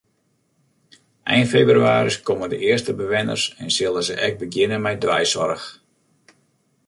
Ein febrewaris komme de earste bewenners en sille se ek begjinne mei deisoarch.